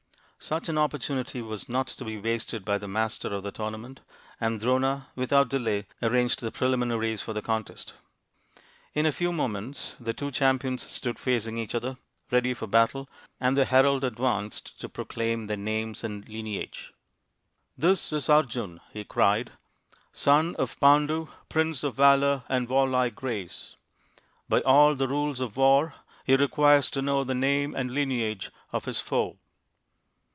Such an opportunity was not to be wasted by the master of the tournament, and Drona without delay arranged the preliminaries of the contest. In a few moments the two champions stood facing each other, ready for battle, and the herald advanced to proclaim their names and lineage. " This is Arjun," he cried, " son of Pandu, prince of valour and warlike grace. By all the rules of war he requires to know the name and lineage of his foe."